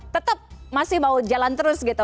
tetap masih mau jalan terus gitu